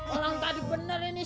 orang tadi bener ini